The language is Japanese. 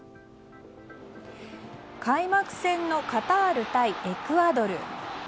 開幕戦のカタール対エクアドル。